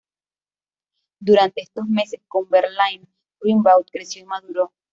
Durante estos meses con Verlaine, Rimbaud creció y maduró.